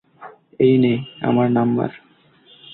এই নে, আমার নাম্বার।